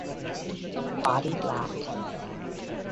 Body black.